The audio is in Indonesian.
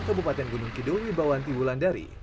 kabupaten gunung kidul wibawanti wulandari